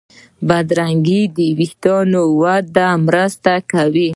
بادرنګ د وېښتانو وده ته مرسته کوي.